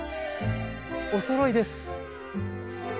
おそろいです！